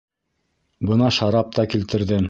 Бына шарап та килтерҙем.